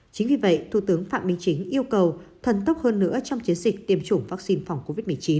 chính vì vậy thủ tướng phạm minh chính yêu cầu thần tốc hơn nữa trong chiến dịch tiêm chủng vaccine phòng covid một mươi chín